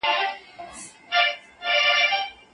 دا بدلون د اوږدې مودې لپاره رامنځته سوی دی.